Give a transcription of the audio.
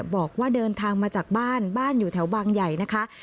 บอกว่าเดินทางมาจากบ้านบ้านอยู่แถวบางใหญ่นะคะ